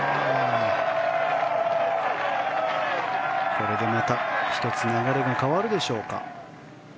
これでまた１つ流れが変わるでしょうか。